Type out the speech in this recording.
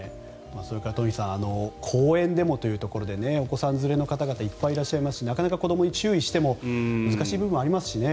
それからトンフィさん公園でもということでお子さん連れの方々いっぱいいますしなかなか子どもに注意しても難しい部分がありますね。